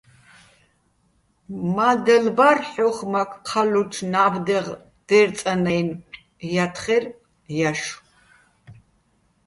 მა́დელ ბარ ჰ̦ოხ მაქ ჴალლუჩო̆ ნა́ბდეღ დე́რწანაჲნო̆, - ჲათხერ ჲაშო̆.